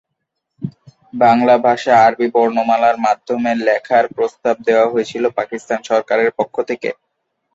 বাংলা ভাষা আরবি বর্ণমালার মাধ্যমে লেখার প্রস্তাব দেয়া হয়েছিল পাকিস্তান সরকারের পক্ষ থেকে।